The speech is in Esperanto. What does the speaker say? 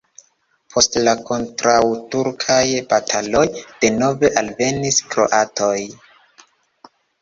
Post la kontraŭturkaj bataloj denove alvenis kroatoj.